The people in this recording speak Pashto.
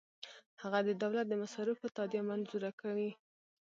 هغه د دولت د مصارفو تادیه منظوره کوي.